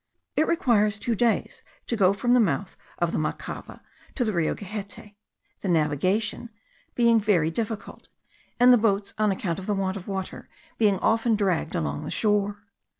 It requires two days to go from the mouth of the Macava, to the Rio Gehette, the navigation being very difficult, and the boats, on account of the want of water, being often dragged along the shore.